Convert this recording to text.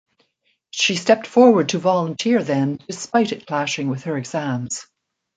She stepped forward to volunteer then despite it clashing with her exams.